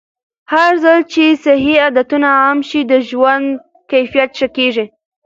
هرځل چې صحي عادتونه عام شي، د ژوند کیفیت ښه کېږي.